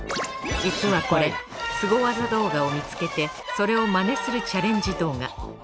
実はこれスゴ技動画を見つけてそれを真似するチャレンジ動画。